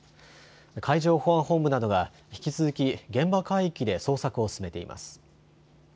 海上保安本部などが引き続き、現場海域で捜索を進めています。